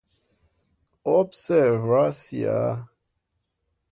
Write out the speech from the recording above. observar-se-á